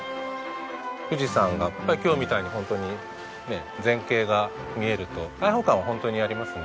富士山が今日みたいにホントにね全景が見えると開放感はホントにありますね。